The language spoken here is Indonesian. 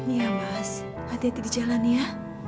iya mas hati hati di jalan ya